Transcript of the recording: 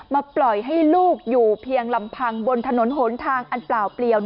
ปล่อยให้ลูกอยู่เพียงลำพังบนถนนหนทางอันเปล่าเปลี่ยว